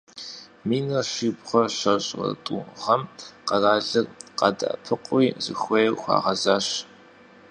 Минрэ щибгъурэ щэщӏрэ тӏу гъэм къэралыр къадэӏэпыкъури, зыхуей хуагъэзащ.